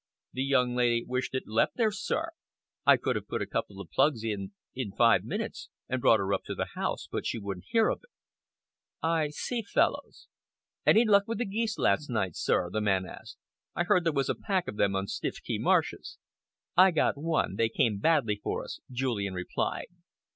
"The young lady wished it left there, sir. I could have put a couple of plugs in, in five minutes, and brought her up to the house, but she wouldn't hear of it." "I see, Fellowes." "Any luck with the geese last night, sir?" the man asked. "I heard there was a pack of them on Stiffkey Marshes." "I got one. They came badly for us," Julian replied.